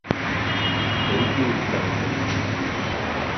比肩並起